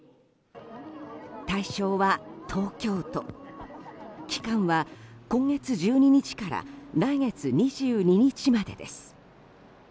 対象は東京都期間は今月１２日から来月２２日までです。